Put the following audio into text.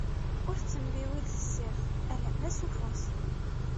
Ur tettembiwil tessirt, alamma s ufus.